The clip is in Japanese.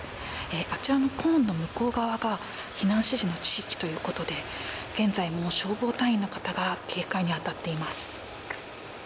あちらのコーンの向こう側が避難指示の地域ということで現在も消防隊の方が警戒にあたっています。